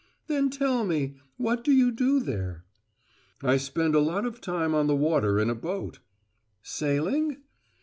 "Then tell me: What do you do there?" "I spend a lot of time on the water in a boat." "Sailing?"